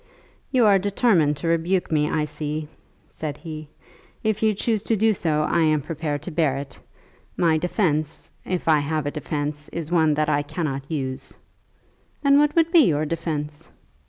"You are determined to rebuke me, I see," said he. "If you choose to do so, I am prepared to bear it. My defence, if I have a defence, is one that I cannot use." "And what would be your defence?"